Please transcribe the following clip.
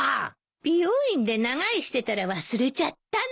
美容院で長居してたら忘れちゃったの。